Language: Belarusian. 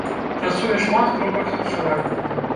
Працуе шмат кропак харчавання.